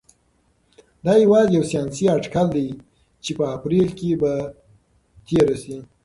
دا یوازې یو ساینسي اټکل دی چې په اپریل کې به تیره شي.